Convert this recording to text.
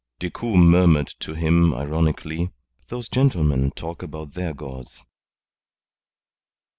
Decoud murmured to him ironically: "Those gentlemen talk about their gods."